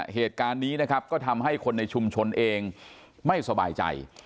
เหตุการณ์นี้นะครับก็ทำให้คนในชุมชนเองไม่สบายใจ